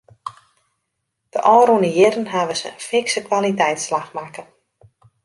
De ôfrûne jierren hawwe se in fikse kwaliteitsslach makke.